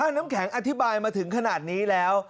น้ำแข็งอธิบายมาถึงขนาดนี้แล้ว